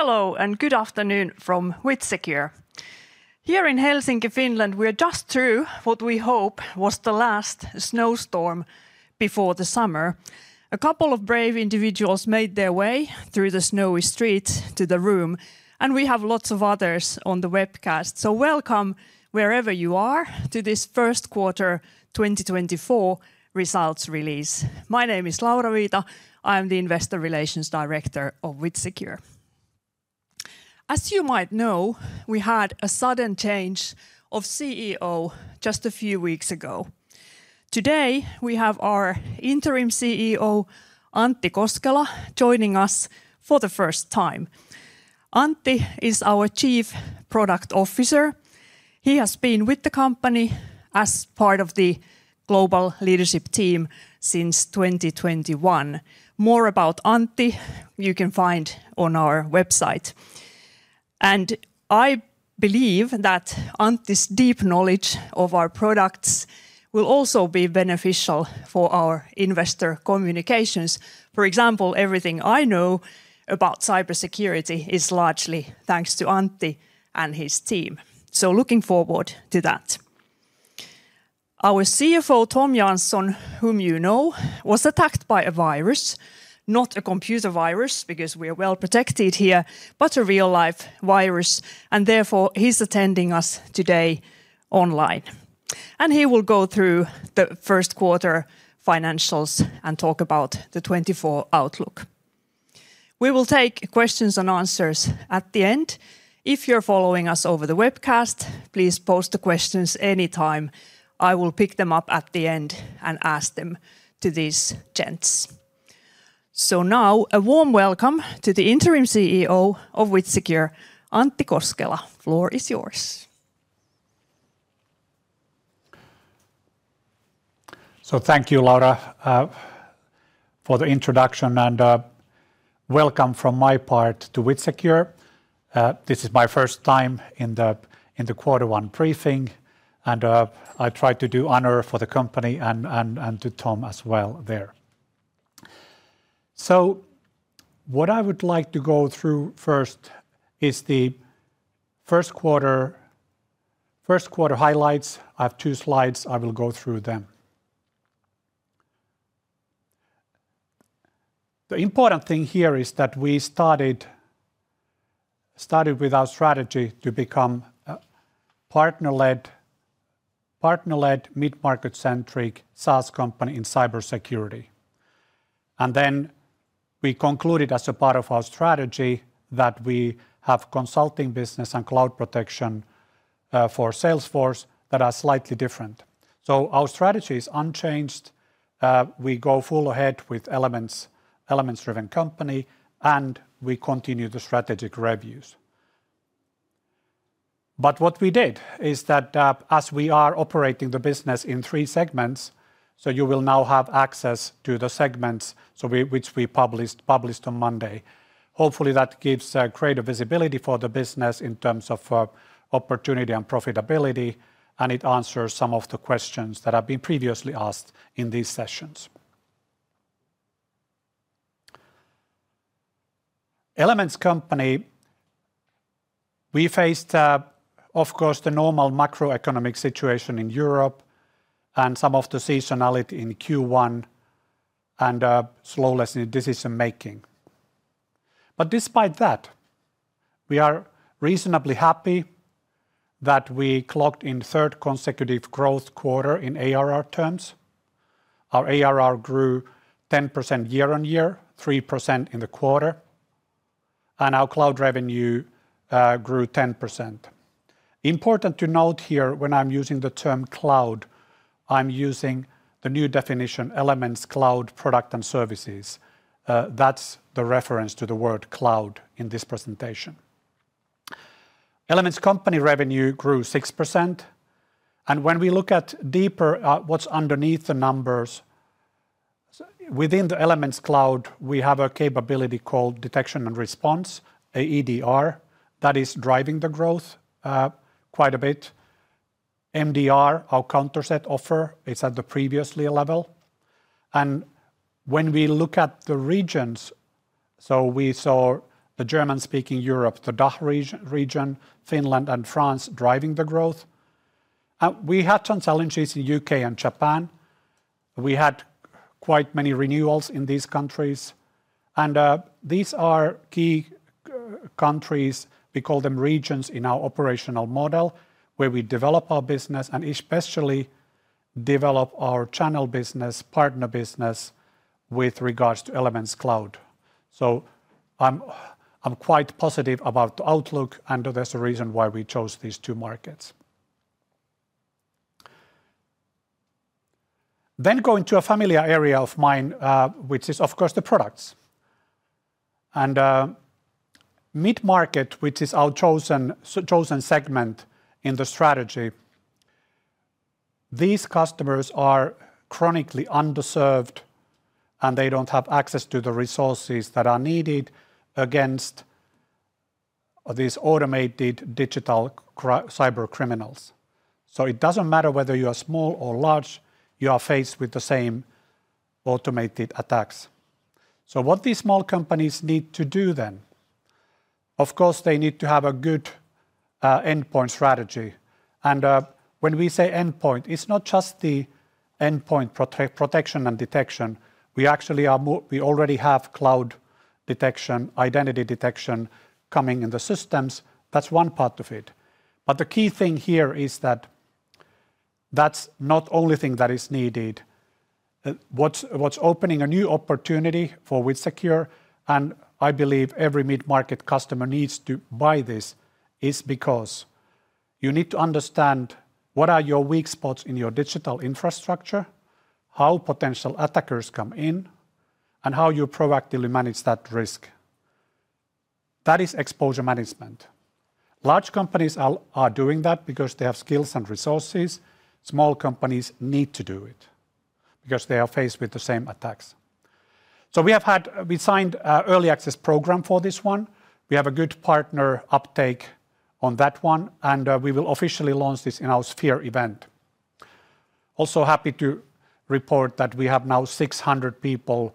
Hello, and good afternoon from WithSecure. Here in Helsinki, Finland, we are just through what we hope was the last snowstorm before the summer. A couple of brave individuals made their way through the snowy streets to the room, and we have lots of others on the webcast. So welcome, wherever you are, to this first quarter 2024 results release. My name is Laura Viita. I'm the Investor Relations Director of WithSecure. As you might know, we had a sudden change of CEO just a few weeks ago. Today, we have our Interim CEO, Antti Koskela, joining us for the first time. Antti is our Chief Product Officer. He has been with the company as part of the global leadership team since 2021. More about Antti you can find on our website. I believe that Antti's deep knowledge of our products will also be beneficial for our investor communications. For example, everything I know about cybersecurity is largely thanks to Antti and his team, so looking forward to that. Our CFO, Tom Jansson, whom you know, was attacked by a virus, not a computer virus, because we are well-protected here, but a real-life virus, and therefore he's attending us today online. He will go through the first quarter financials and talk about the 2024 outlook. We will take questions and answers at the end. If you're following us over the webcast, please post the questions anytime. I will pick them up at the end and ask them to these gents. Now, a warm welcome to the Interim CEO of WithSecure, Antti Koskela. Floor is yours. So thank you, Laura, for the introduction, and welcome from my part to WithSecure. This is my first time in the quarter one briefing, and I try to do honor for the company and to Tom as well there. So what I would like to go through first is the first quarter highlights. I have two slides. I will go through them. The important thing here is that we started with our strategy to become a partner-led mid-market-centric sales company in cybersecurity. And then we concluded as a part of our strategy that we have consulting business and Cloud Protection for Salesforce that are slightly different. So our strategy is unchanged. We go full ahead with Elements, Elements-driven company, and we continue the strategic reviews. But what we did is that, as we are operating the business in three segments, so you will now have access to the segments, which we published on Monday. Hopefully, that gives greater visibility for the business in terms of opportunity and profitability, and it answers some of the questions that have been previously asked in these sessions. Elements Company, we faced, of course, the normal macroeconomic situation in Europe and some of the seasonality in Q1 and slowness in decision-making. But despite that, we are reasonably happy that we clocked in third consecutive growth quarter in ARR terms. Our ARR grew 10% year-on-year, 3% in the quarter, and our cloud revenue grew 10%. Important to note here, when I'm using the term cloud, I'm using the new definition, Elements Cloud product and services. That's the reference to the word cloud in this presentation. Elements Company revenue grew 6%, and when we look at deeper, at what's underneath the numbers, so within the Elements Cloud, we have a capability called detection and response, EDR, that is driving the growth quite a bit. MDR, our Countercept offer, is at the previous level. And when we look at the regions, so we saw the German-speaking Europe, the DACH region, Finland and France driving the growth. We had some challenges in U.K. and Japan. We had quite many renewals in these countries, and these are key countries, we call them regions in our operational model, where we develop our business and especially develop our channel business, partner business, with regards to Elements Cloud. So I'm quite positive about the outlook, and there's a reason why we chose these two markets. Then going to a familiar area of mine, which is of course the products. Mid-market, which is our chosen segment in the strategy, these customers are chronically underserved, and they don't have access to the resources that are needed against these automated digital cyber criminals. So it doesn't matter whether you are small or large, you are faced with the same automated attacks. So what these small companies need to do then, of course, they need to have a good endpoint strategy. And when we say endpoint, it's not just the endpoint protection and detection. We actually already have cloud detection, identity detection coming in the systems. That's one part of it, but the key thing here is that that's not only thing that is needed. What's opening a new opportunity for WithSecure, and I believe every mid-market customer needs to buy this, is because you need to understand what are your weak spots in your digital infrastructure, how potential attackers come in, and how you proactively manage that risk. That is Exposure Management. Large companies are doing that because they have skills and resources. Small companies need to do it because they are faced with the same attacks. So we signed an early access program for this one. We have a good partner uptake on that one, and we will officially launch this in our Sphere event. Also happy to report that we have now 600 people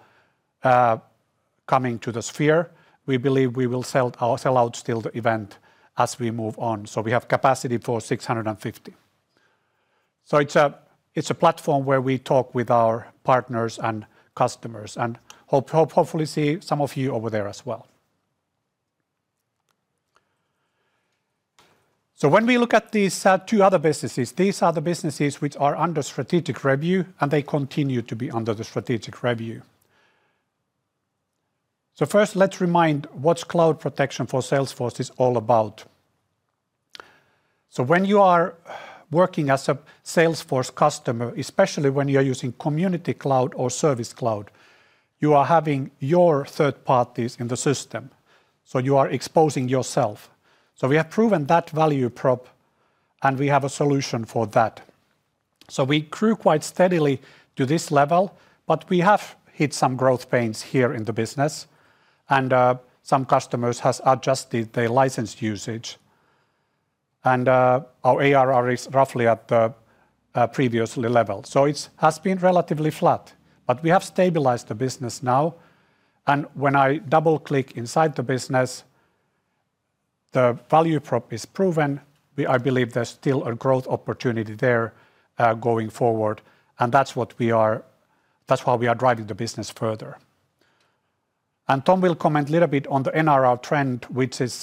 coming to the Sphere. We believe we will sell out still the event as we move on, so we have capacity for 650. So it's a platform where we talk with our partners and customers, and hopefully see some of you over there as well. So when we look at these two other businesses, these are the businesses which are under strategic review, and they continue to be under the strategic review. So first, let's remind what Cloud Protection for Salesforce is all about. So when you are working as a Salesforce customer, especially when you are using Community Cloud or Service Cloud, you are having your third parties in the system, so you are exposing yourself. So we have proven that value prop, and we have a solution for that. So we grew quite steadily to this level, but we have hit some growth pains here in the business, and some customers has adjusted their license usage. Our ARR is roughly at the previously level, so it's has been relatively flat. But we have stabilized the business now, and when I double-click inside the business, the value prop is proven. We... I believe there's still a growth opportunity there, going forward, and that's what we are- that's why we are driving the business further. Tom will comment a little bit on the NRR trend, which is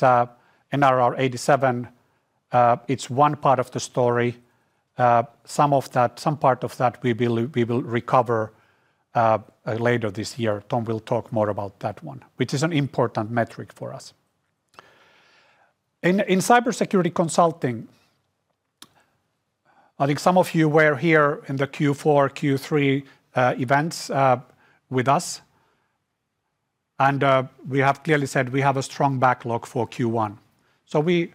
NRR 87. It's one part of the story. Some of that, some part of that we will, we will recover later this year. Tom will talk more about that one, which is an important metric for us. In cybersecurity consulting, I think some of you were here in the Q4, Q3 events with us, and we have clearly said we have a strong backlog for Q1. So we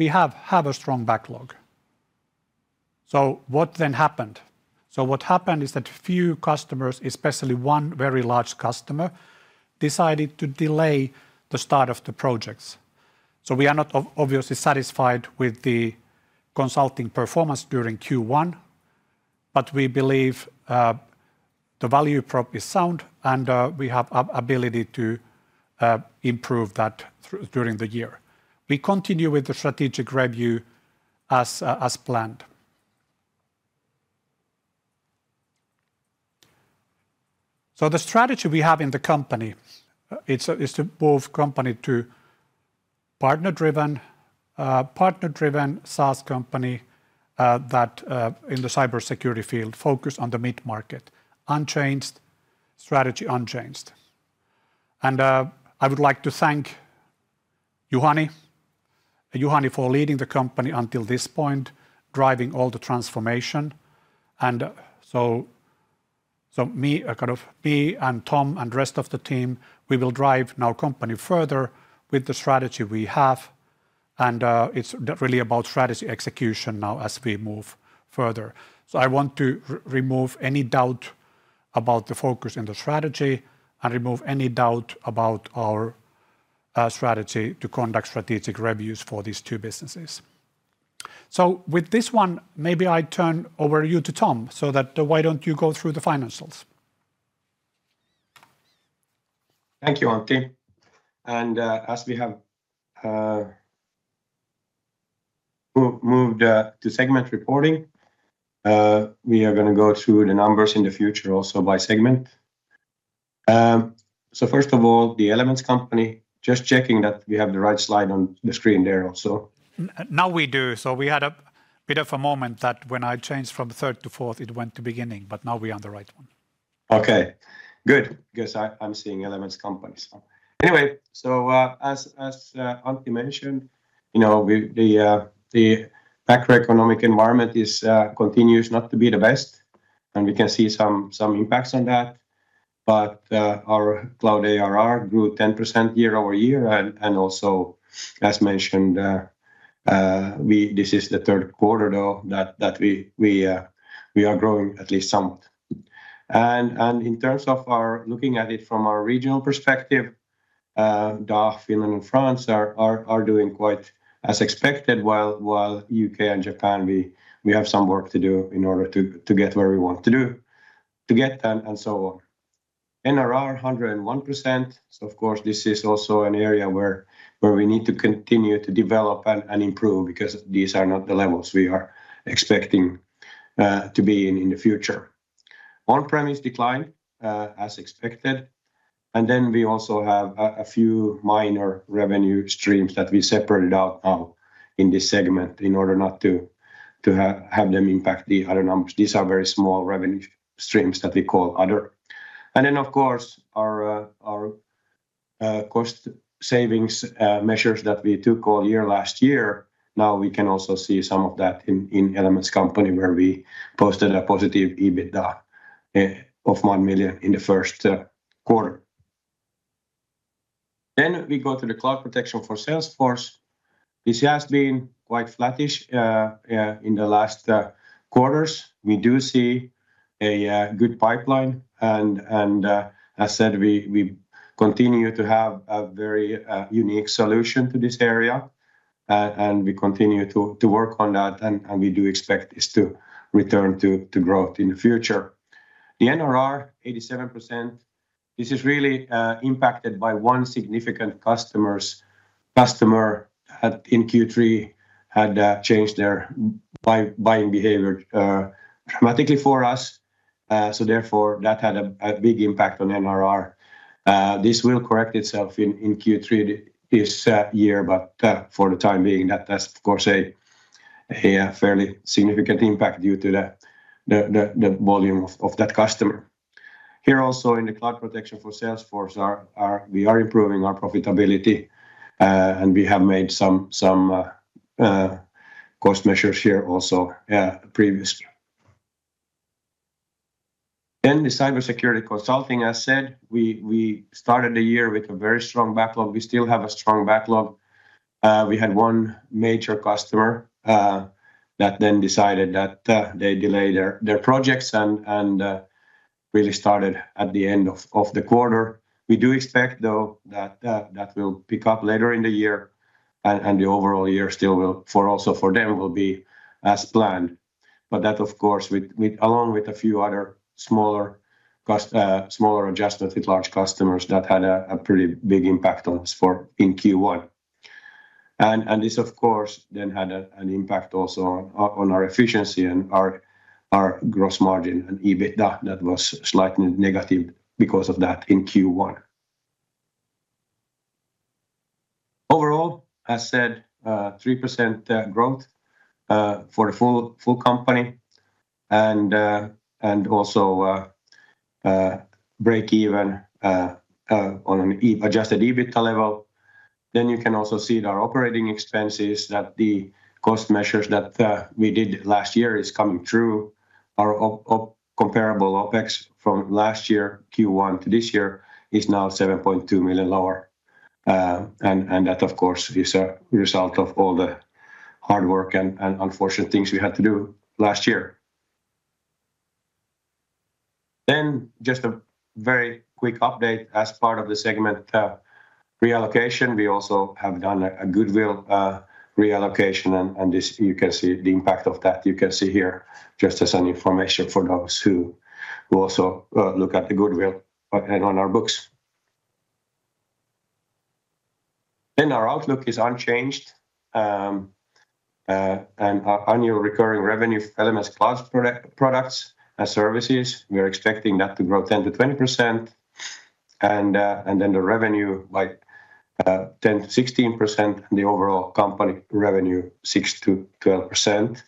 have a strong backlog. So what then happened? So what happened is that few customers, especially one very large customer, decided to delay the start of the projects. So we are not obviously satisfied with the consulting performance during Q1, but we believe the value prop is sound, and we have ability to improve that during the year. We continue with the strategic review as planned. So the strategy we have in the company is to move company to partner-driven SaaS company that in the cybersecurity field focus on the mid-market. Unchanged, strategy unchanged. I would like to thank Juhani for leading the company until this point, driving all the transformation. So, me and Tom and rest of the team, we will drive now company further with the strategy we have, and it's really about strategy execution now as we move further. So I want to remove any doubt about the focus and the strategy and remove any doubt about our strategy to conduct strategic reviews for these two businesses. So with this one, maybe I turn over you to Tom, so why don't you go through the financials? Thank you, Antti. And, as we have moved to segment reporting, we are gonna go through the numbers in the future also by segment. So first of all, the Elements Company, just checking that we have the right slide on the screen there also. Now we do. So we had a bit of a moment that when I changed from third to fourth, it went to beginning, but now we are on the right one. Okay, good, because I, I'm seeing Elements Cloud, so... Anyway, so, as Antti mentioned, you know, we, the macroeconomic environment is continues not to be the best, and we can see some impacts on that. But, our cloud ARR grew 10% year-over-year, and also, as mentioned, this is the third quarter, though, that we are growing at least somewhat. And, in terms of our looking at it from our regional perspective, DACH, Finland, and France are doing quite as expected, while UK and Japan, we have some work to do in order to get where we want to do, to get them, and so on. NRR, 101%, so of course, this is also an area where we need to continue to develop and improve, because these are not the levels we are expecting to be in in the future. On-premise decline as expected, and then we also have a few minor revenue streams that we separated out now in this segment in order not to have them impact the other numbers. These are very small revenue streams that we call other. And then, of course, our cost savings measures that we took all year last year, now we can also see some of that in Elements Company, where we posted a positive EBITDA of 1 million in the first quarter. Then we go to the Cloud Protection for Salesforce. This has been quite flattish in the last quarters. We do see a good pipeline, and as said, we continue to have a very unique solution to this area. And we continue to work on that, and we do expect this to return to growth in the future. The NRR, 87%, this is really impacted by one significant customer had in Q3 changed their buying behavior dramatically for us. So therefore, that had a big impact on NRR. This will correct itself in Q3 this year, but for the time being, that has, of course, a fairly significant impact due to the volume of that customer. Here also in the Cloud Protection for Salesforce, we are improving our profitability, and we have made some cost measures here also, previously. Then the cybersecurity consulting, as said, we started the year with a very strong backlog. We still have a strong backlog. We had one major customer that then decided that they delay their projects, and really started at the end of the quarter. We do expect, though, that that will pick up later in the year, and the overall year still will, for also for them, will be as planned. But that, of course, with along with a few other smaller adjustments with large customers, that had a pretty big impact on us for in Q1. This, of course, then had an impact also on our efficiency and our gross margin and EBITDA. That was slightly negative because of that in Q1. Overall, as said, 3% growth for the full company, and also break even on an adjusted EBITDA level. Then you can also see in our operating expenses that the cost measures that we did last year is coming through. Our comparable OpEx from last year, Q1 to this year, is now 7.2 million lower. And that, of course, is a result of all the hard work and unfortunate things we had to do last year. Then just a very quick update. As part of the segment reallocation, we also have done a goodwill reallocation, and this you can see the impact of that. You can see here, just as an information for those who also look at the goodwill on our books. Our outlook is unchanged. Our annual recurring revenue for Elements Cloud products and services, we are expecting that to grow 10%-20%. And then the revenue by 10%-16%, and the overall company revenue, 6%-12%.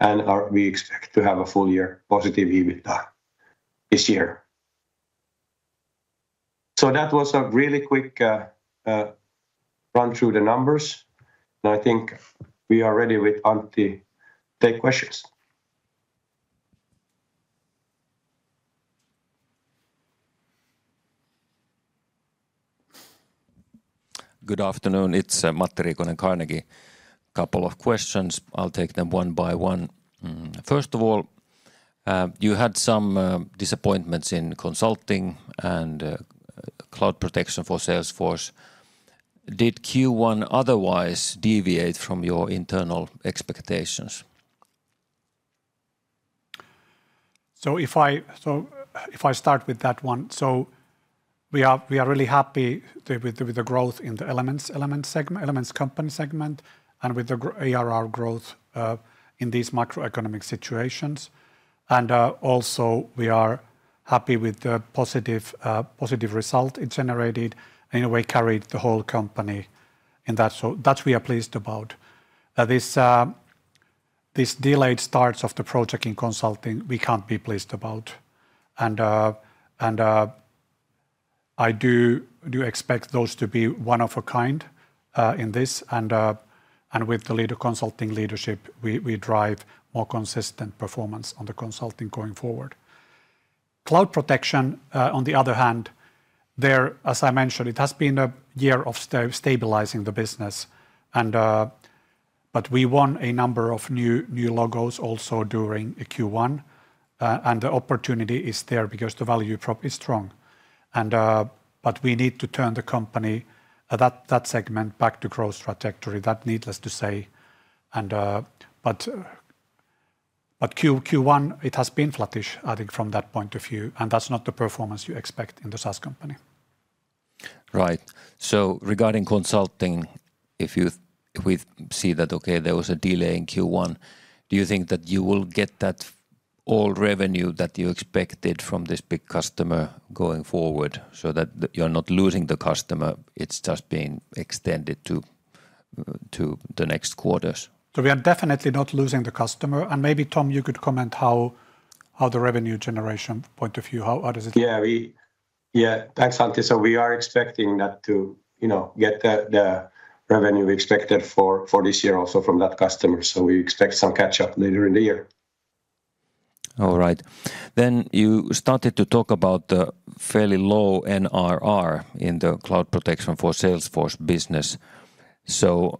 And we expect to have a full year positive EBITDA this year. So that was a really quick run through the numbers, and I think we are ready with Antti, take questions. Good afternoon. It's Matti Riikonen, Carnegie. Couple of questions. I'll take them one by one. First of all, you had some disappointments in consulting and Cloud Protection for Salesforce. Did Q1 otherwise deviate from your internal expectations? So if I start with that one, so we are really happy with the growth in the Elements Cloud segment and with the ARR growth in these macroeconomic situations. And also, we are happy with the positive result it generated, in a way, carried the whole company in that. So that we are pleased about. This delayed starts of the project in consulting, we can't be pleased about. And I do expect those to be one of a kind in this, and with the leader consulting leadership, we drive more consistent performance on the consulting going forward. Cloud Protection, on the other hand, there, as I mentioned, it has been a year of stabilizing the business. But we won a number of new, new logos also during Q1. And the opportunity is there because the value prop is strong. And but we need to turn the company, that segment back to growth trajectory. That needless to say, and but Q1, it has been flattish, I think, from that point of view, and that's not the performance you expect in the SaaS company. Right. So regarding consulting, we see that, okay, there was a delay in Q1, do you think that you will get that all revenue that you expected from this big customer going forward so that you're not losing the customer, it's just being extended to the next quarters? So we are definitely not losing the customer. And maybe, Tom, you could comment how the revenue generation point of view, how does it- Yeah, thanks, Antti. So we are expecting that to, you know, get the revenue we expected for this year also from that customer. So we expect some catch-up later in the year. All right. Then you started to talk about the fairly low NRR in the Cloud Protection for Salesforce business. So,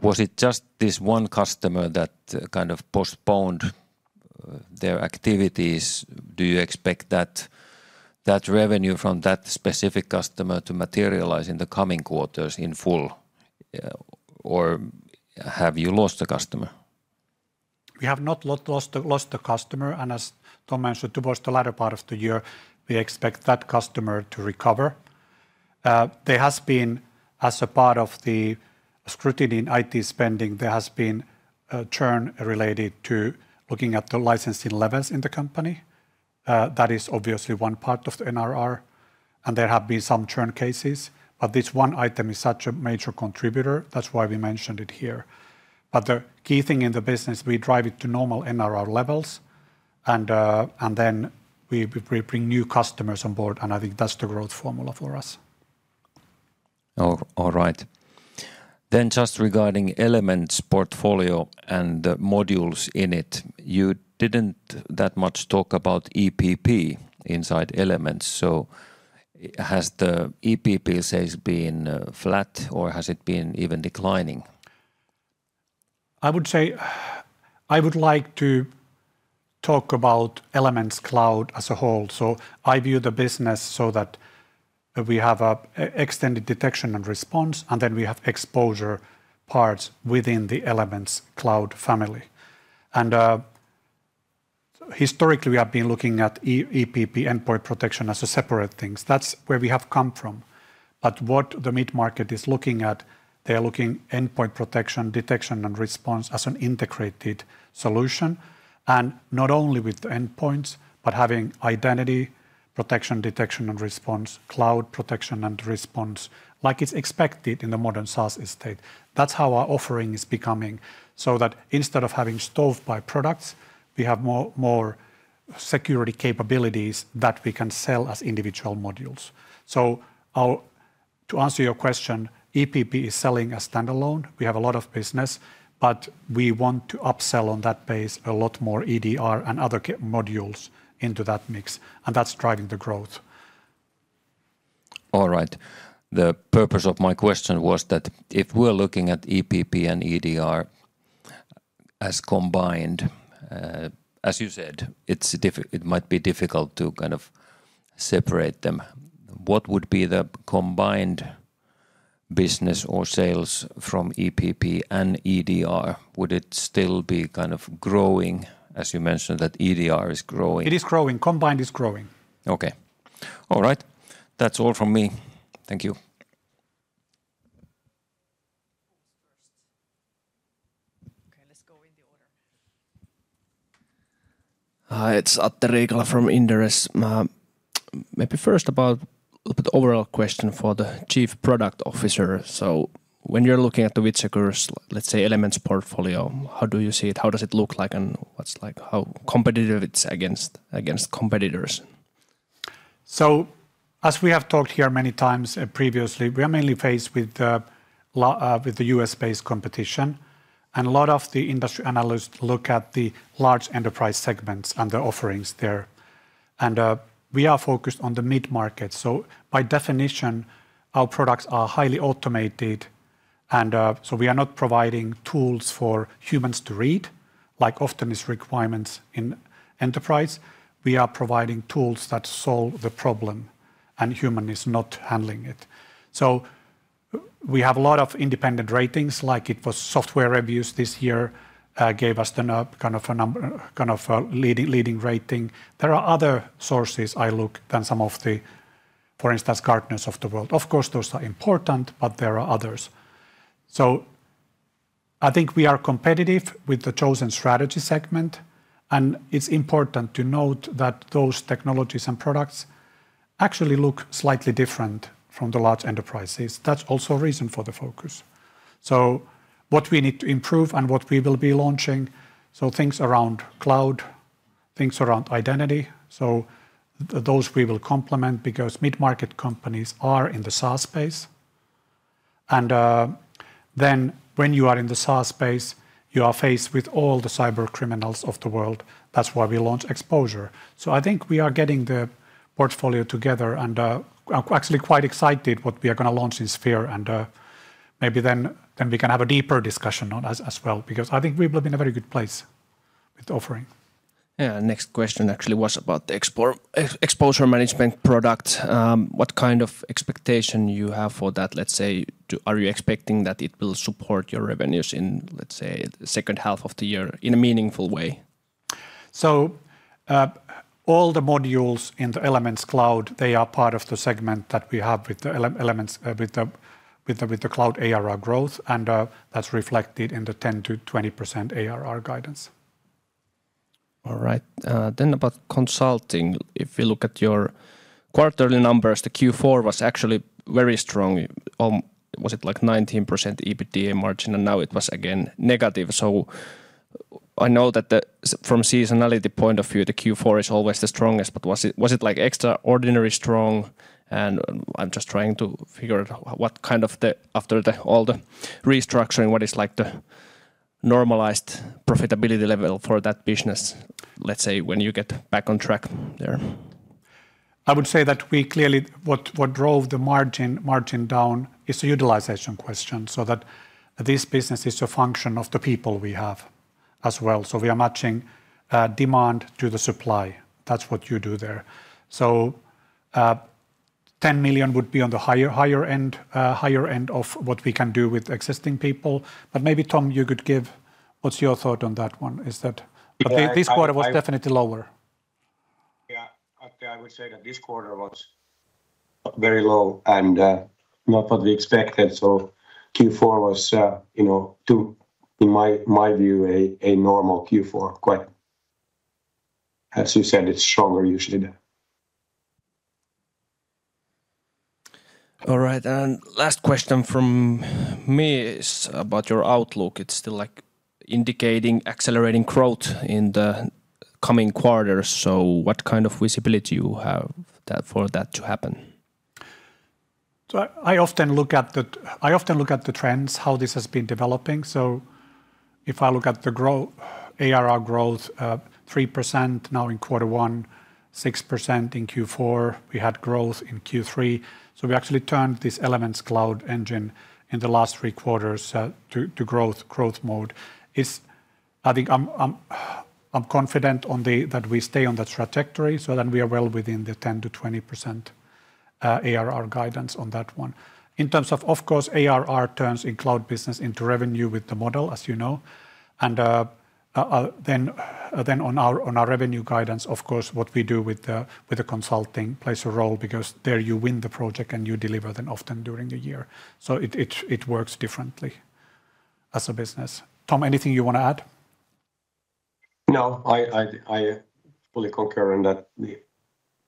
was it just this one customer that kind of postponed their activities? Do you expect that revenue from that specific customer to materialize in the coming quarters in full, or have you lost the customer? We have not lost the customer, and as Tom mentioned, towards the latter part of the year, we expect that customer to recover. There has been, as a part of the scrutiny in IT spending, there has been a churn related to looking at the licensing levels in the company. That is obviously one part of the NRR, and there have been some churn cases, but this one item is such a major contributor. That's why we mentioned it here. But the key thing in the business, we drive it to normal NRR levels, and then we bring new customers on board, and I think that's the growth formula for us. All right. Then just regarding Elements portfolio and the modules in it, you didn't that much talk about EPP inside Elements. So has the EPP sales been flat, or has it been even declining? I would say, I would like to talk about Elements Cloud as a whole. So I view the business so that we have an extended detection and response, and then we have exposure parts within the Elements Cloud family. And historically, we have been looking at EPP endpoint protection as separate things. That's where we have come from. But what the mid-market is looking at, they're looking endpoint protection, detection, and response as an integrated solution, and not only with the endpoints, but having identity protection, detection, and response, cloud protection and response, like it's expected in the modern SaaS estate. That's how our offering is becoming, so that instead of having stovepipe products, we have more security capabilities that we can sell as individual modules. So I'll... To answer your question, EPP is selling a standalone. We have a lot of business, but we want to upsell on that base a lot more EDR and other modules into that mix, and that's driving the growth. All right. The purpose of my question was that if we're looking at EPP and EDR as combined, as you said, it might be difficult to kind of separate them. What would be the combined business or sales from EPP and EDR? Would it still be kind of growing, as you mentioned, that EDR is growing? It is growing. Combined is growing. Okay. All right. That's all from me. Thank you. Who was first? Okay, let's go in the order. Hi, it's Atte Riikola from Inderes. Maybe first about a bit overall question for the Chief Product Officer. So when you're looking at the WithSecure, let's say, Elements portfolio, how do you see it? How does it look like, and what's like, how competitive it's against, against competitors? So, as we have talked here many times previously, we are mainly faced with the US-based competition, and a lot of the industry analysts look at the large enterprise segments and the offerings there. We are focused on the mid-market, so by definition, our products are highly automated, and so we are not providing tools for humans to read, like often is requirements in enterprise. We are providing tools that solve the problem, and human is not handling it. So we have a lot of independent ratings, like it was SoftwareReviews this year, gave us the kind of a leading rating. There are other sources I look to than some of the, for instance, Gartner's of the world. Of course, those are important, but there are others. So I think we are competitive with the chosen strategy segment, and it's important to note that those technologies and products actually look slightly different from the large enterprises. That's also a reason for the focus. So what we need to improve and what we will be launching, so things around cloud, things around identity, so those we will complement because mid-market companies are in the SaaS space. And then when you are in the SaaS space, you are faced with all the cyber criminals of the world. That's why we launched Exposure. So I think we are getting the portfolio together, and I'm actually quite excited what we are gonna launch in Sphere, and maybe then we can have a deeper discussion on as well, because I think we will be in a very good place... with offering. Yeah, next question actually was about the Exposure Management product. What kind of expectation you have for that? Let's say, are you expecting that it will support your revenues in, let's say, the second half of the year in a meaningful way? So, all the modules in the Elements Cloud, they are part of the segment that we have with the Elements, with the Cloud ARR growth, and that's reflected in the 10%-20% ARR guidance. All right. Then about consulting, if you look at your quarterly numbers, the Q4 was actually very strong. Was it like 19% EBITDA margin, and now it was again negative. So I know that from seasonality point of view, the Q4 is always the strongest, but was it, was it, like, extraordinary strong? And I'm just trying to figure out what kind of after all the restructuring, what is, like, the normalized profitability level for that business, let's say, when you get back on track there? I would say that we clearly... What drove the margin down is the utilization question, so that this business is a function of the people we have as well. So we are matching demand to the supply. That's what you do there. So, 10 million would be on the higher end of what we can do with existing people. But maybe, Tom, you could give... What's your thought on that one? Is that- Yeah, I would- But this quarter was definitely lower. Yeah, I would say that this quarter was very low and not what we expected. So Q4 was, you know, too, in my view, a normal Q4. Quite... As you said, it's stronger usually there. All right, and last question from me is about your outlook. It's still, like, indicating accelerating growth in the coming quarters, so what kind of visibility you have that, for that to happen? So I often look at the trends, how this has been developing. So if I look at the ARR growth, 3% now in quarter one, 6% in Q4. We had growth in Q3, so we actually turned this Elements Cloud engine in the last three quarters to growth mode. I think I'm confident that we stay on that trajectory, so then we are well within the 10%-20% ARR guidance on that one. In terms of, of course, ARR turns in cloud business into revenue with the model, as you know, and then on our revenue guidance, of course, what we do with the consulting plays a role because there you win the project and you deliver then often during the year. So it works differently as a business. Tom, anything you want to add? No, I fully concur on that.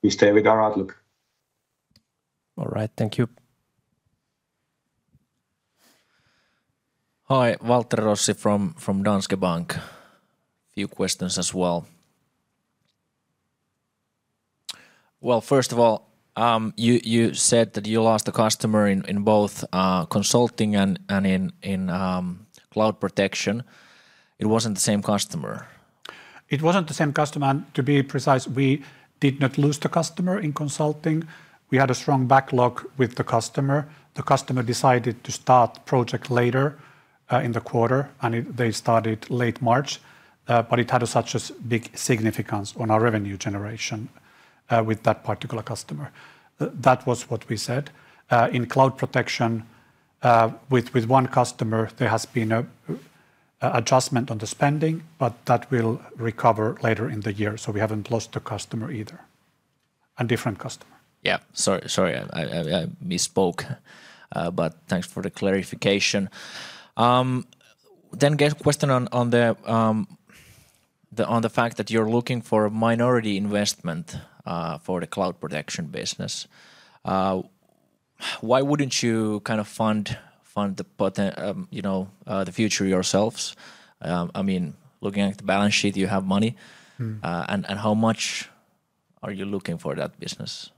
We stay with our outlook. All right. Thank you. Hi, Waltteri Rossi from Danske Bank. Few questions as well. Well, first of all, you said that you lost a customer in both consulting and in Cloud Protection. It wasn't the same customer? It wasn't the same customer, and to be precise, we did not lose the customer in consulting. We had a strong backlog with the customer. The customer decided to start the project later in the quarter, and they started late March. But it had such a big significance on our revenue generation with that particular customer. That was what we said. In cloud protection, with one customer, there has been an adjustment on the spending, but that will recover later in the year, so we haven't lost the customer either. A different customer. Yeah. Sorry, sorry, I, I, I misspoke, but thanks for the clarification. Then get question on, on the, on the fact that you're looking for a minority investment, for the cloud protection business. Why wouldn't you kind of fund, fund the poten- you know, the future yourselves? I mean, looking at the balance sheet, you have money. Mm-hmm. How much are you looking for that business?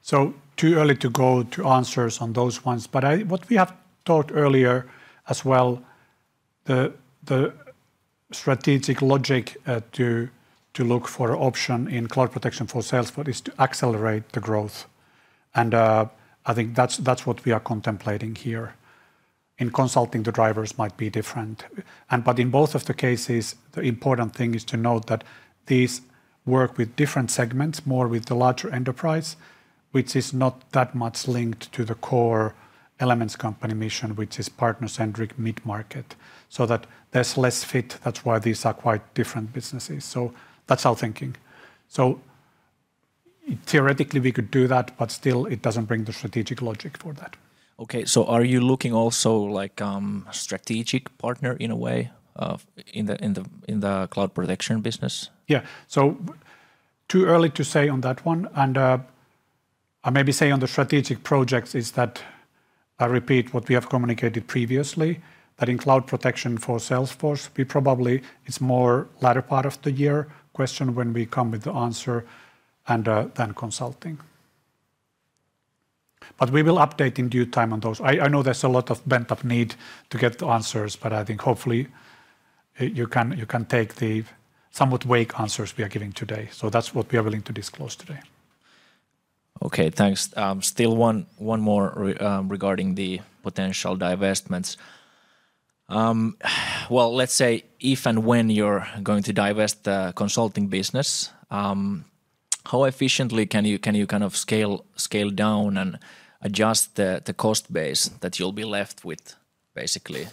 It's too early to go to answers on those ones, but I what we have talked earlier as well, the strategic logic to look for option in Cloud Protection for Salesforce is to accelerate the growth, and I think that's what we are contemplating here. In consulting, the drivers might be different. But in both of the cases, the important thing is to note that these work with different segments, more with the larger enterprise, which is not that much linked to the core Elements Company mission, which is partner-centric mid-market, so that there's less fit. That's why these are quite different businesses. That's our thinking. Theoretically, we could do that, but still, it doesn't bring the strategic logic toward that. Okay, so are you looking also, like, strategic partner in a way, in the cloud protection business? Yeah. So too early to say on that one, and, I maybe say on the strategic projects is that I repeat what we have communicated previously, that in Cloud Protection for Salesforce, we probably... It's more later part of the year question when we come with the answer and, than consulting. But we will update in due time on those. I, I know there's a lot of pent-up need to get the answers, but I think hopefully, you can, you can take the somewhat vague answers we are giving today. So that's what we are willing to disclose today. Okay, thanks. Still one more regarding the potential divestments. Well, let's say if and when you're going to divest the consulting business, how efficiently can you kind of scale down and adjust the cost base that you'll be left with, basically?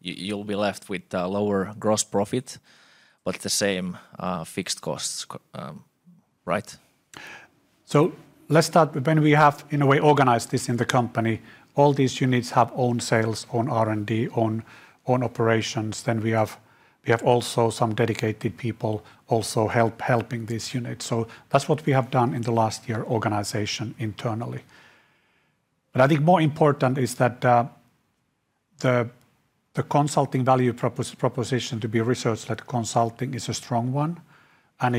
You'll be left with a lower gross profit, but the same fixed costs, right? So let's start with when we have, in a way, organized this in the company. All these units have own sales, own R&D, own operations. Then we have also some dedicated people also helping this unit. So that's what we have done in the last year, organization internally. But I think more important is that the consulting value proposition to be a research-led consulting is a strong one, and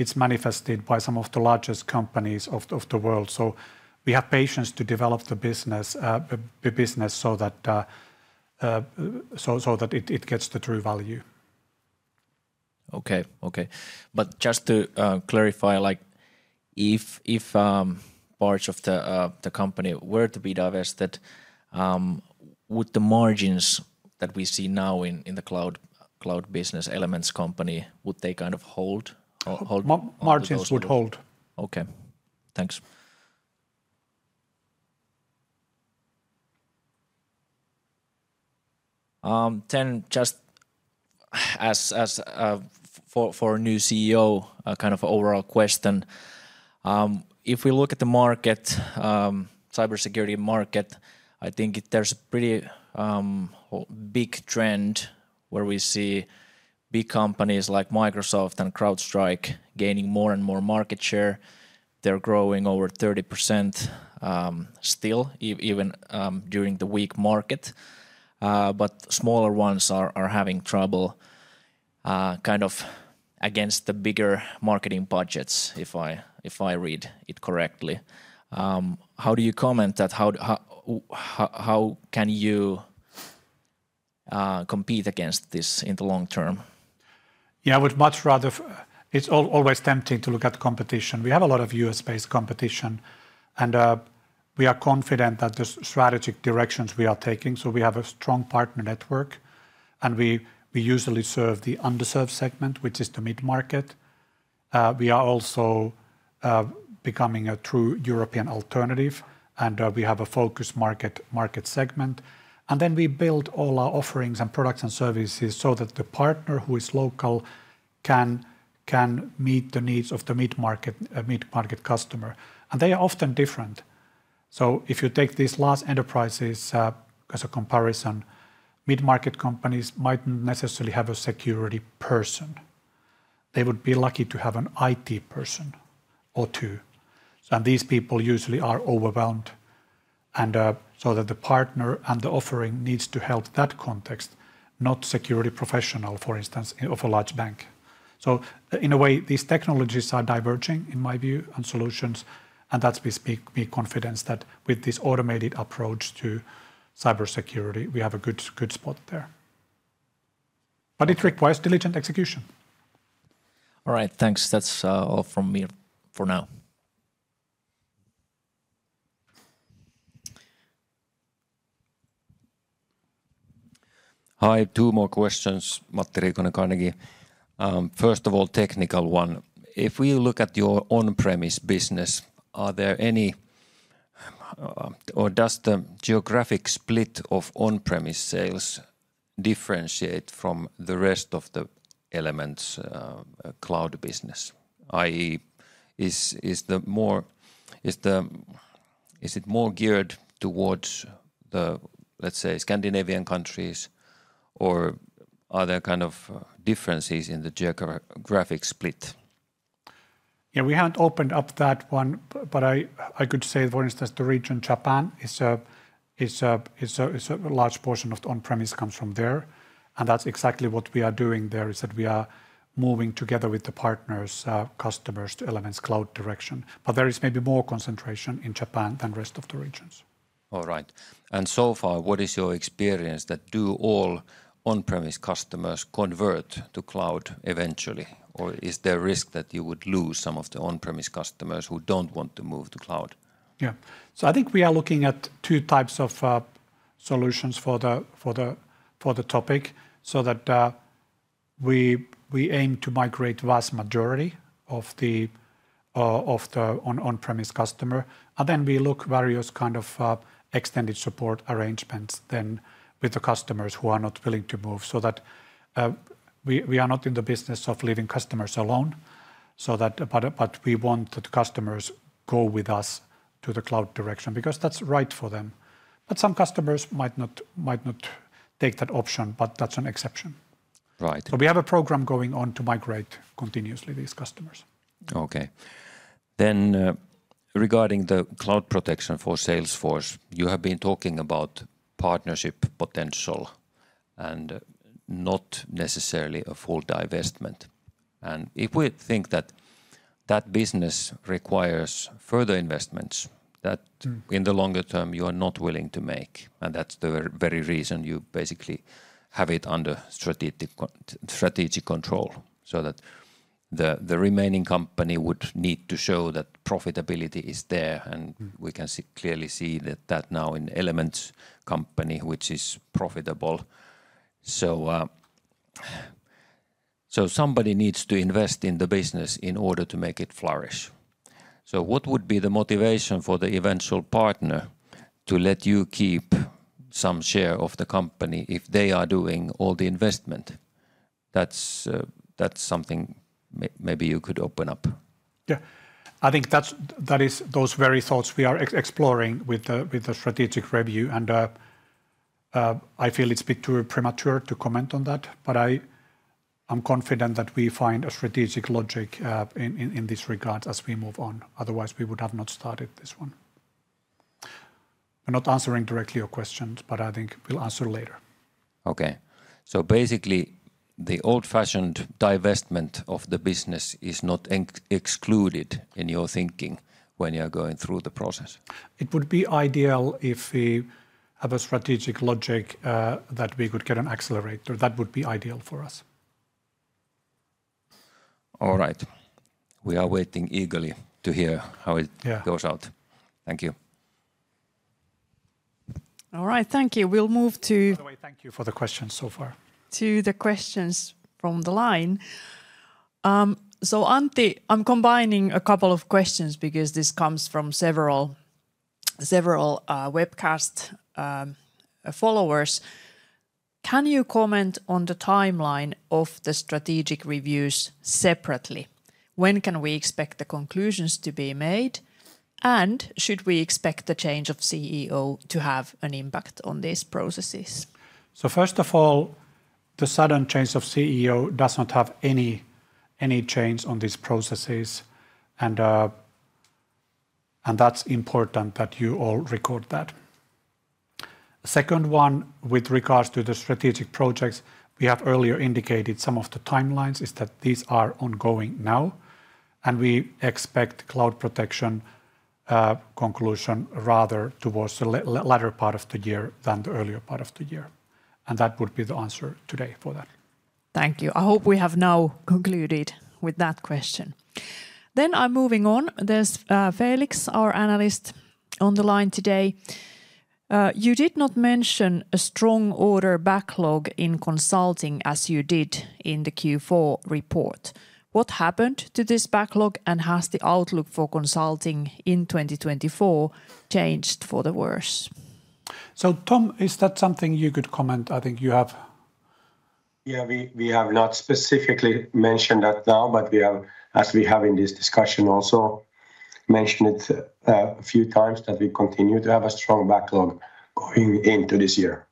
it's manifested by some of the largest companies of the world. So we have patience to develop the business so that it gets the true value. Okay, okay. But just to clarify, like, if parts of the company were to be divested, would the margins that we see now in the cloud business Elements Cloud, would they kind of hold or hold- Margins would hold. Okay. Thanks. Then just as for a new CEO, a kind of overall question, if we look at the market, cybersecurity market, I think there's a pretty big trend where we see big companies like Microsoft and CrowdStrike gaining more and more market share. They're growing over 30%, still, even during the weak market. But smaller ones are having trouble, kind of against the bigger marketing budgets, if I read it correctly. How do you comment that? How can you compete against this in the long term? Yeah, I would much rather. It's always tempting to look at the competition. We have a lot of U.S.-based competition, and we are confident that the strategic directions we are taking, so we have a strong partner network, and we, we usually serve the underserved segment, which is the mid-market. We are also becoming a true European alternative, and we have a focus market, market segment. And then we build all our offerings and products and services so that the partner who is local can, can meet the needs of the mid-market, mid-market customer, and they are often different. So if you take these large enterprises as a comparison, mid-market companies mightn't necessarily have a security person. They would be lucky to have an IT person or two, and these people usually are overwhelmed, and so that the partner and the offering needs to help that context, not security professional, for instance, of a large bank. So in a way, these technologies are diverging, in my view, and solutions, and that gives me confidence that with this automated approach to cybersecurity, we have a good, good spot there. But it requires diligent execution. All right. Thanks. That's all from me for now. Hi, two more questions. Matti Riikonen, Carnegie. First of all, technical one. If we look at your on-premise business, are there any, or does the geographic split of on-premise sales differentiate from the rest of the Elements cloud business? I.e., is it more geared towards the, let's say, Scandinavian countries, or are there kind of differences in the geographic split? Yeah, we haven't opened up that one, but I could say, for instance, the region Japan is a large portion of the on-premise comes from there, and that's exactly what we are doing there, is that we are moving together with the partners, customers to Elements Cloud direction. But there is maybe more concentration in Japan than rest of the regions. All right. So far, what is your experience that do all on-premise customers convert to cloud eventually, or is there a risk that you would lose some of the on-premise customers who don't want to move to cloud? Yeah. So I think we are looking at two types of solutions for the topic, so that we aim to migrate vast majority of the on-premise customer, and then we look various kind of extended support arrangements then with the customers who are not willing to move. So that we are not in the business of leaving customers alone, so that... But we want the customers go with us to the cloud direction, because that's right for them. But some customers might not take that option, but that's an exception. Right. So we have a program going on to migrate continuously these customers. Okay. Then, regarding the Cloud Protection for Salesforce, you have been talking about partnership potential and not necessarily a full divestment. If we think that that business requires further investments that- Mm. ...in the longer term you are not willing to make, and that's the very reason you basically have it under strategic control, so that... The remaining company would need to show that profitability is there, and- Mm. We can see, clearly see that now in Elements Company, which is profitable. So somebody needs to invest in the business in order to make it flourish. So what would be the motivation for the eventual partner to let you keep some share of the company if they are doing all the investment? That's something maybe you could open up. Yeah. I think that is those very thoughts we are exploring with the strategic review. I feel it's a bit too premature to comment on that, but I'm confident that we find a strategic logic in this regard as we move on. Otherwise, we would have not started this one. I'm not answering directly your questions, but I think we'll answer later. Okay. So basically, the old-fashioned divestment of the business is not excluded in your thinking when you're going through the process? It would be ideal if we have a strategic logic that we could get an accelerator. That would be ideal for us. All right. We are waiting eagerly to hear how it- Yeah.... goes out. Thank you. All right, thank you. We'll move to- By the way, thank you for the questions so far. ... to the questions from the line. So Antti, I'm combining a couple of questions because this comes from several webcast followers. Can you comment on the timeline of the strategic reviews separately? When can we expect the conclusions to be made, and should we expect the change of CEO to have an impact on these processes? So first of all, the sudden change of CEO does not have any change on these processes, and that's important that you all record that. Second one, with regards to the strategic projects, we have earlier indicated some of the timelines, is that these are ongoing now, and we expect Cloud Protection conclusion rather towards the latter part of the year than the earlier part of the year, and that would be the answer today for that. Thank you. I hope we have now concluded with that question. Then I'm moving on. There's, Felix, our analyst, on the line today. You did not mention a strong order backlog in consulting as you did in the Q4 report. What happened to this backlog, and has the outlook for consulting in 2024 changed for the worse? So Tom, is that something you could comment? I think you have- Yeah, we have not specifically mentioned that now, but we have, as we have in this discussion, also mentioned it a few times, that we continue to have a strong backlog going into this year.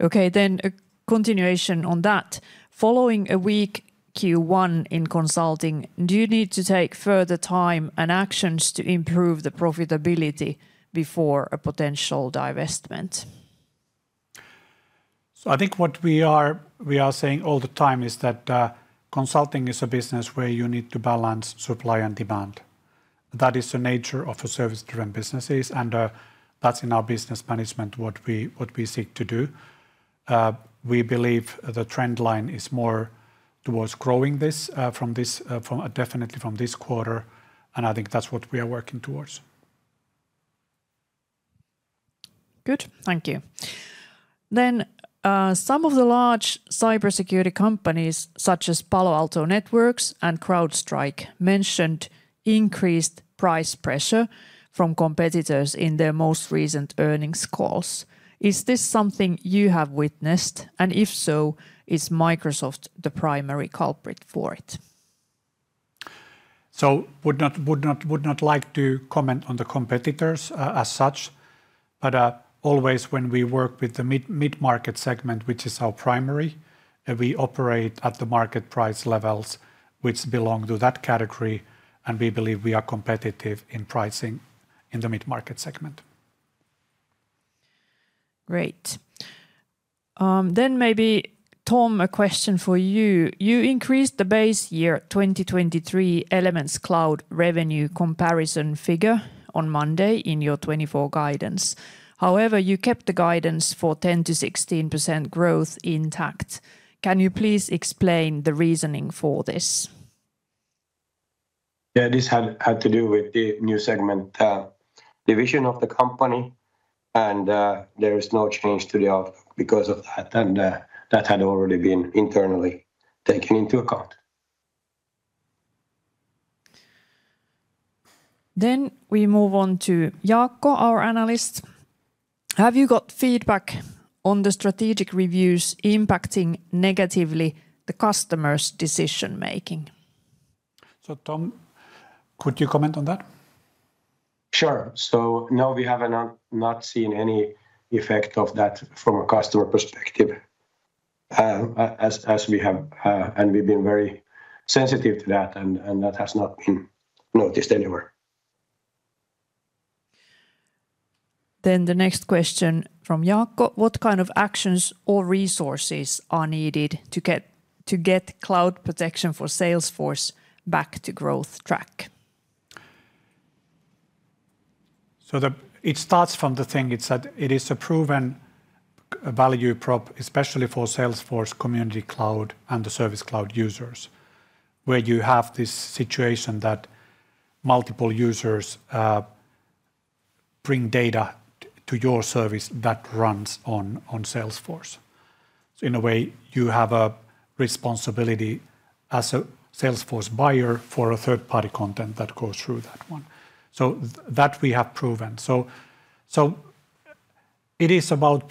Okay, then a continuation on that. Following a weak Q1 in consulting, do you need to take further time and actions to improve the profitability before a potential divestment? I think what we are saying all the time is that consulting is a business where you need to balance supply and demand. That is the nature of a service-driven businesses, and that's in our business management what we seek to do. We believe the trend line is more towards growing this, definitely from this quarter, and I think that's what we are working towards. Good, thank you. Then, some of the large cybersecurity companies, such as Palo Alto Networks and CrowdStrike, mentioned increased price pressure from competitors in their most recent earnings calls. Is this something you have witnessed, and if so, is Microsoft the primary culprit for it? Would not like to comment on the competitors as such, but always when we work with the mid-market segment, which is our primary, we operate at the market price levels which belong to that category, and we believe we are competitive in pricing in the mid-market segment. Great. Maybe, Tom, a question for you. You increased the base year 2023 Elements Cloud revenue comparison figure on Monday in your 2024 guidance. However, you kept the guidance for 10%-16% growth intact. Can you please explain the reasoning for this? Yeah, this had to do with the new segment division of the company, and that had already been internally taken into account. Then we move on to Jaakko, our analyst. Have you got feedback on the strategic reviews impacting negatively the customer's decision-making? Tom, could you comment on that? Sure. So no, we have not, not seen any effect of that from a customer perspective, as we have. And we've been very sensitive to that, and that has not been noticed anywhere. Then the next question from Jaakko: What kind of actions or resources are needed to get Cloud Protection for Salesforce back to growth track? So the, it starts from the thing, it's that it is a proven value prop, especially for Salesforce Community Cloud and the Service Cloud users, where you have this situation that multiple users bring data to your service that runs on, on Salesforce. So in a way, you have a responsibility as a Salesforce buyer for a third-party content that goes through that one. So that we have proven. So, so it is about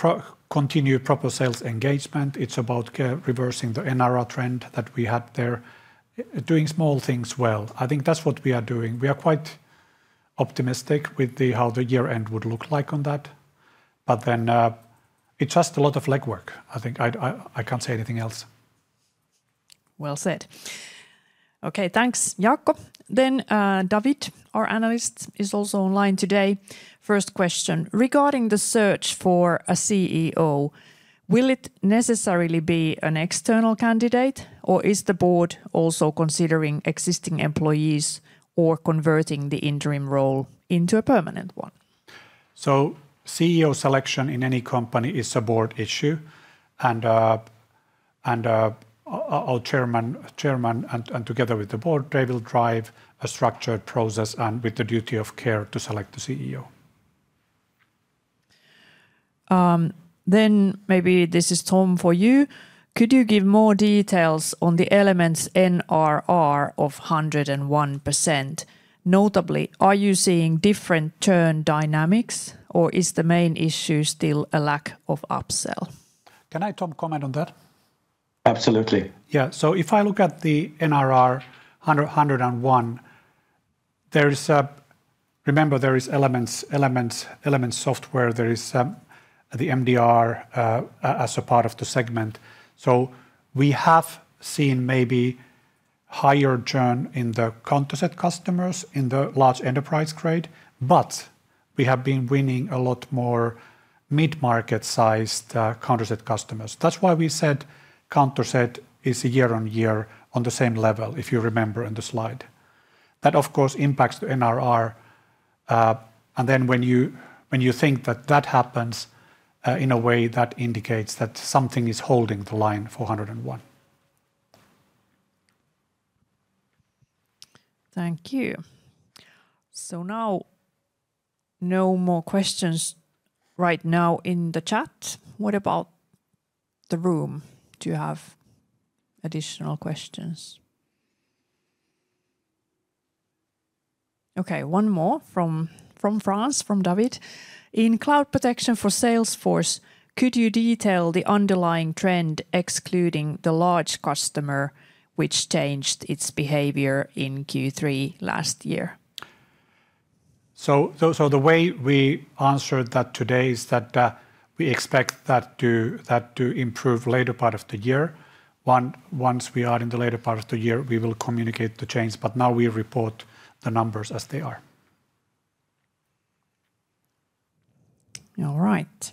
continued proper sales engagement, it's about care, reversing the NRR trend that we had there, doing small things well. I think that's what we are doing. We are quite optimistic with the, how the year-end would look like on that. But then, it's just a lot of legwork, I think. I can't say anything else. Well said. Okay, thanks, Jaakko. Then, David, our analyst, is also online today. First question: regarding the search for a CEO, will it necessarily be an external candidate, or is the board also considering existing employees or converting the interim role into a permanent one? So CEO selection in any company is a board issue, and our chairman and together with the board, they will drive a structured process and with the duty of care to select the CEO. Then maybe this is Tom for you. Could you give more details on the Elements NRR of 101%? Notably, are you seeing different churn dynamics, or is the main issue still a lack of upsell? Can I, Tom, comment on that? Absolutely. Yeah, so if I look at the NRR, 100, 101, there is a... Remember, there is Elements, Elements, Elements software, there is the MDR as a part of the segment. So we have seen maybe higher churn in the Countercept customers, in the large enterprise-grade, but we have been winning a lot more mid-market-sized Countercept customers. That's why we said Countercept is year-over-year on the same level, if you remember in the slide. That, of course, impacts the NRR, and then when you, when you think that that happens, in a way, that indicates that something is holding the line for 101. Thank you. So now no more questions right now in the chat. What about the room? Do you have additional questions? Okay, one more from, from France, from David. In Cloud Protection for Salesforce, could you detail the underlying trend, excluding the large customer, which changed its behavior in Q3 last year? So the way we answered that today is that we expect that to improve later part of the year. Once we are in the later part of the year, we will communicate the change, but now we report the numbers as they are. All right.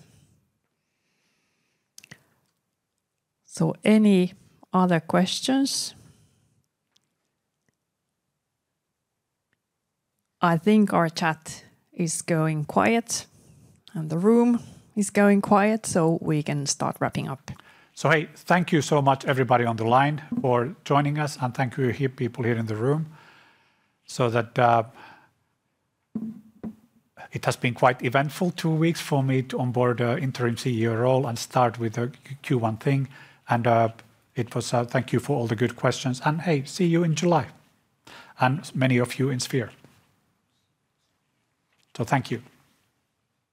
So any other questions? I think our chat is going quiet, and the room is going quiet, so we can start wrapping up. So, hey, thank you so much, everybody on the line, for joining us, and thank you here, people here in the room. So that, it has been quite eventful two weeks for me to onboard an interim CEO role and start with the Q1 thing, and, it was... Thank you for all the good questions. And, hey, see you in July, and many of you in Sphere. So thank you.